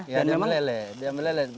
ya dia meleleh